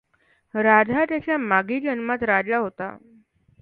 राधा त्याच्या मागील जन्मात राजा होता.